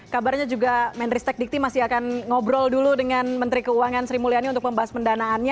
kabarnya juga menteri stek dikti masih akan ngobrol dulu dengan menteri keuangan sri mulyani untuk membahas pendanaannya